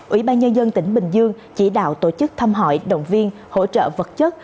ủy ban nhân dân tỉnh bình dương chỉ đạo tổ chức thăm hỏi động viên hỗ trợ vật chất